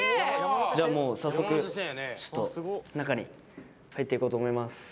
じゃあもう早速ちょっと中に入っていこうと思います。